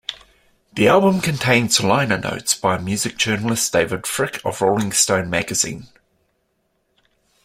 The album contains liner notes by music journalist David Fricke of Rolling Stone magazine.